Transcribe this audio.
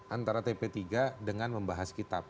antara tp tiga dengan membahas kitab